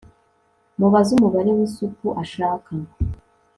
Mubaze umubare wisupu ashaka